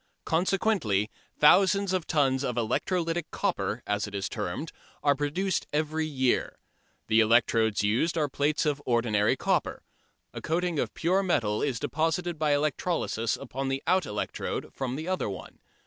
Consequently thousands of tons of "electrolytic" copper, as it is termed, are produced every year. The electrodes used are plates of ordinary copper. A coating of pure metal is deposited by electrolysis upon the out electrode from the other one.